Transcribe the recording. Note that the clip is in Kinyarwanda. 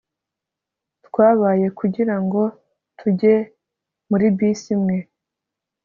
twabaye kugirango tujye muri bisi imwe